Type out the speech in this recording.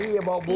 ini bawa burung